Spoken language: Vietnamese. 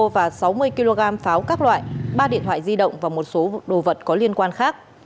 và sáu mươi kg pháo các loại ba điện thoại di động và một số đồ vật có liên quan khác